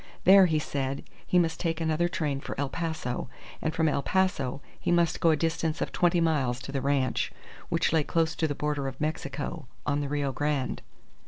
There, he said, he must take another train for El Paso, and from El Paso he must go a distance of twenty miles to the ranch, which lay close to the border of Mexico, on the Rio Grande.